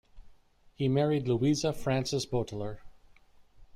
He married Louisa Frances Boteler.